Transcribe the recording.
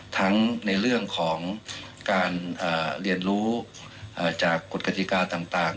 ทั้งในเรื่องของการเรียนรู้จากกฎกติกาต่าง